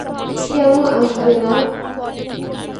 কেন আসবে না।